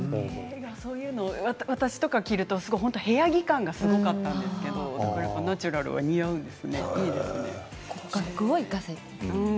そういうのを私とかが着ると部屋着感がすごかったんですけれどナチュラルは似合うんですよね。